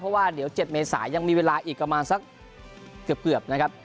เพราะว่าเดี๋ยว๗เมษายังมีเวลาอีกประมาณสักเกือบนะครับ